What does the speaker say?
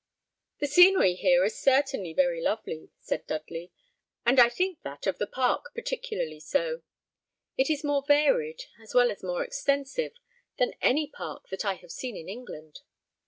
"The scenery here is certainly very lovely," said Dudley; "and I think that of the park peculiarly so. It is more varied, as well as more extensive, than any park that I have seen in England."